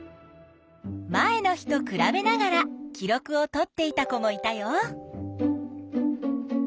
前の日とくらべながら記録をとっていた子もいたよ。